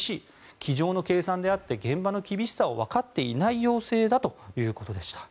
机上の計算であって現場の厳しさをわかっていない要請だということでした。